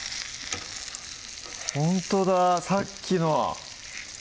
ほんとださっきの！